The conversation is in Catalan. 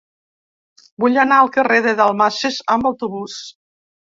Vull anar al carrer de Dalmases amb autobús.